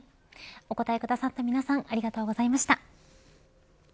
お答えくださった皆さんありがとうございました。